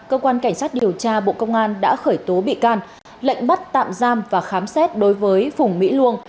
cơ quan cảnh sát điều tra bộ công an đã khởi tố bị can lệnh bắt tạm giam và khám xét đối với phùng mỹ luông